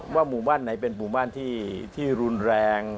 หมู่บ้านไหนเป็นหมู่บ้านที่รุนแรง